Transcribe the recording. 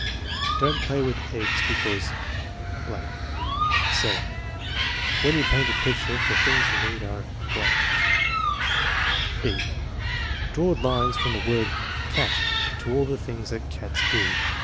Don't play with eggs because . 7. When you paint a picture, the things you need are . b. Draw lines from the word cat to all the things that cats do.